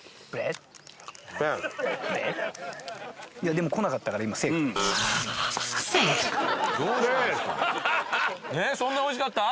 えっそんなおいしかった？